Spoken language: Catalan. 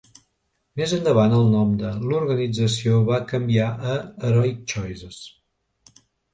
Més endavant el nom de l'organització va canviar a "Heroic Choices".